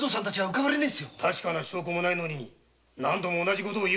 確かな証拠もないのに何度も同じ事を言うな！